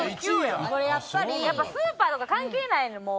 やっぱスーパーとか関係ないねんもう。